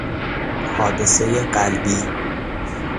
حادثهی قلبی